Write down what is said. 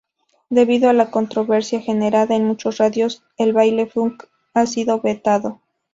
Debido a la controversia generada, en muchas radios el baile funk ha sido vetado.